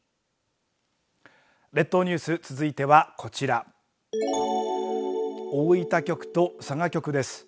列島ニュース、続いてはこちら大分局と佐賀局です。